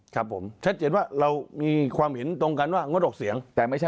ครับผมชัดเห็นว่าเรามีความเห็นตรงกันว่างดอกเสียง